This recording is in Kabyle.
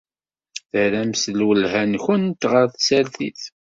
Terramt lwelha-nwent ɣer tsertit.